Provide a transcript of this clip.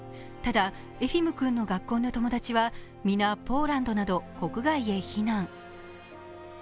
ただ、エフィム君の学校の友達はみな、ポーランドなど国外へ避難。